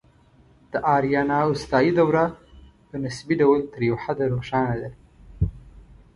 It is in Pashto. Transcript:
د آریانا اوستایي دوره په نسبي ډول تر یو حده روښانه ده